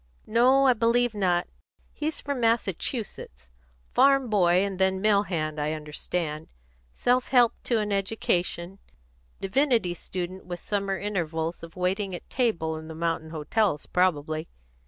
"No, I believe not; he's from Massachusetts. Farm boy and then mill hand, I understand. Self helped to an education; divinity student with summer intervals of waiting at table in the mountain hotels probably.